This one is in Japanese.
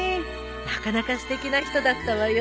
なかなかすてきな人だったわよ。